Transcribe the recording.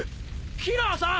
キラーさん！